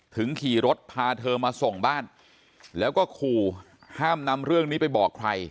ขี่รถพาเธอมาส่งบ้านแล้วก็ขู่ห้ามนำเรื่องนี้ไปบอกใคร